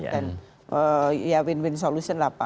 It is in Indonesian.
dan ya win win solution lah pak